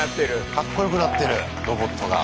かっこよくなってるロボットが。